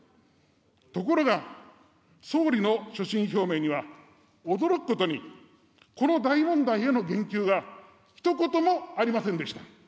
ところが総理の所信表明には驚くことに、この大問題への言及がひと言もありませんでした。